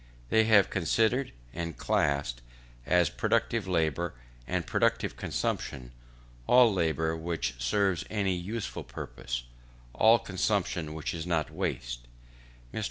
They have considered, and classed, as productive labour and productive consumption, all labour which serves any useful purpose all consumption which is not waste. Mr.